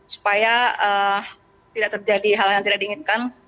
supaya tidak terjadi hal yang tidak diinginkan